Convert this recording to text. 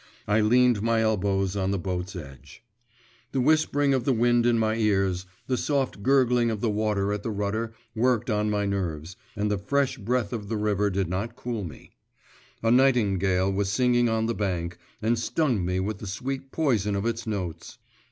I leaned my elbows on the boat's edge.… The whispering of the wind in my ears, the soft gurgling of the water at the rudder worked on my nerves, and the fresh breath of the river did not cool me; a nightingale was singing on the bank, and stung me with the sweet poison of its notes.